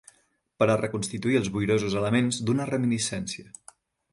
Per a reconstituir els boirosos elements d'una reminiscència